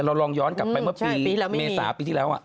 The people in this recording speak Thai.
มีก็จะไม่มีเราลองย้อนกลับไปเมื่อปี๓ปีที่แล้ว